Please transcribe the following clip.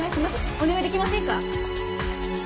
お願いできませんか？